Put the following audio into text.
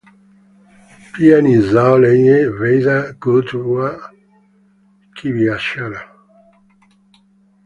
pia ni zao lenye faida kubwa kibiashara.